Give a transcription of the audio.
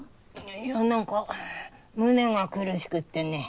いやなんか胸が苦しくってね。